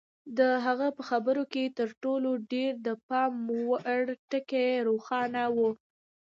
د هغه په خبرو کې تر ټولو ډېر د پام وړ ټکی روښانه و.